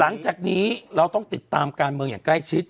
หลังจากนี้เราต้องติดตามการเมืองอย่างใกล้ชิด